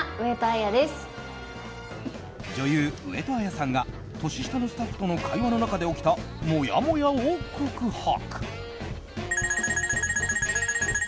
女優・上戸彩さんが年下のスタッフとの会話の中で起きた、もやもやを告白。